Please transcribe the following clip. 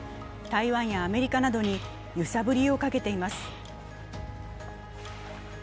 台湾やアメリカなどに揺さぶりをかけています。